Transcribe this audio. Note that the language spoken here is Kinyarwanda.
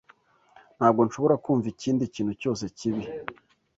Ntabwo nshobora kumva ikindi kintu cyose cyibi.